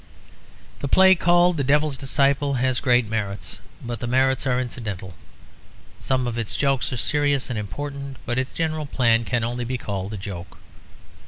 The play called The Devil's Disciple has great merits, but the merits are incidental. Some of its jokes are serious and important, but its general plan can only be called a joke.